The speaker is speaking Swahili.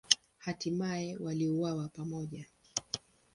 Hatimaye waliuawa pamoja.